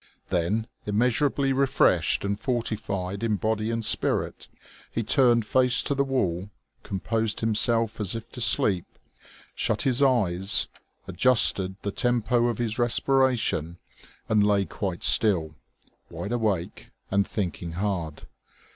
Then, immeasurably refreshed and fortified in body and spirit, he turned face to the wall, composed himself as if to sleep, shut his eyes, adjusted the tempo of his respiration, and lay quite still, wide awake and thinking hard.